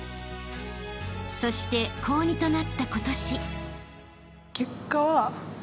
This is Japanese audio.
［そして高２となった今年］